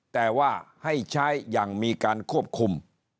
แต่ว่าให้ใช้อย่างมีการควบคุม